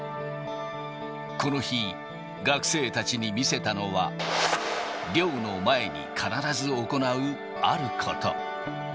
この日、学生たちに見せたのは、猟の前に必ず行うあること。